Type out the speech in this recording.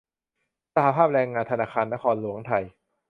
สหภาพแรงงานธนาคารนครหลวงไทย